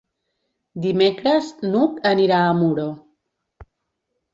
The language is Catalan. Dimecres n'Hug anirà a Muro.